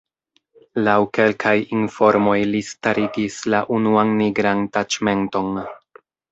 Laŭ kelkaj informoj, li starigis la unuan nigran taĉmenton.